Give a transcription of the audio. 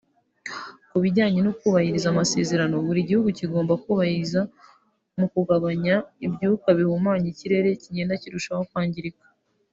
ku bijyanye no kubahiriza amasezerano buri gihugu kigomba kubahiriza mu mu kugabanya ibyuka bihumanya ikirere kigenda kirushaho kwangirika